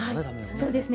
そうですね。